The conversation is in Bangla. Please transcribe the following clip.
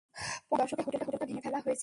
পঞ্চাশের দশকে হোটেলটা ভেঙে ফেলা হয়েছিল।